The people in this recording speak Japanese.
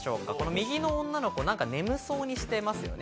右の女の子、眠そうにしてますよね。